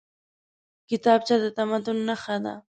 کتابچه د تمدن نښه ده